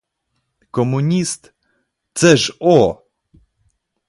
Комуніст — це ж о!